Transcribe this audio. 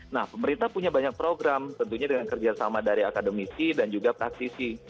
nah pemerintah punya banyak program tentunya dengan kerjasama dari akademisi dan juga praktisi